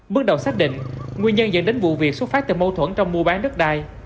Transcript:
bước đầu xác định nguyên nhân dẫn đến vụ việc xuất phát từ mâu thuẫn trong mua bán đất đai